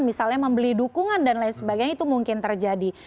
misalnya membeli dukungan dan lain sebagainya itu mungkin terjadi